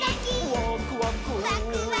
「ワクワク」ワクワク。